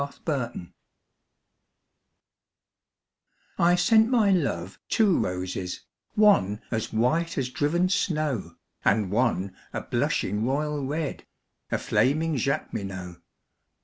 The White Flag I sent my love two roses, one As white as driven snow, And one a blushing royal red, A flaming Jacqueminot.